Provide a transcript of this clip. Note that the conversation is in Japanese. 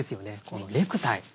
このネクタイ。